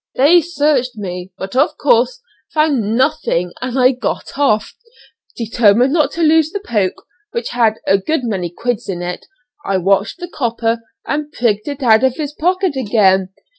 They searched me, but of course found nothing, and I got off. Determined not to lose the 'poke,' which had a good many 'quids' in it, I watched the 'copper,' and prigged it out of his pocket again.